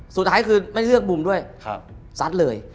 สุดท้ายคือไม่เลือกมุมด้วยซัดเลย